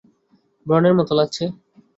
ব্রণের মতো লাগছে।